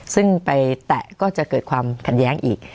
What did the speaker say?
ซึ่งไปแตะก็จะเกิดความขัดแย้งอีก